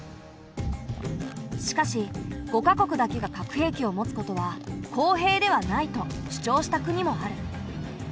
しかし５か国だけが核兵器を持つことは公平ではないと主張した国もある。